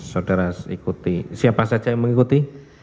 saudara ikuti siapa saja yang mengikuti